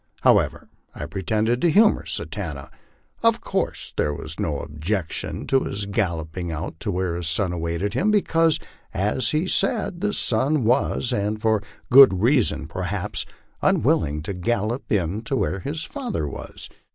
However, I pretended to humor Satanta. Of course there was no objection to his galloping out to where his son awaited him, because, as he said, that son was, and for good reason perhaps, unwilling to gallop in to where his father was.